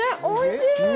おいしい。